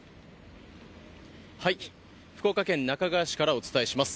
福岡県那珂川市からお伝えします。